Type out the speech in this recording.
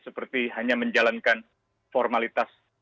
seperti hanya menjalankan formalitas